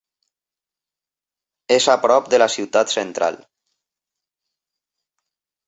És a prop de la ciutat central.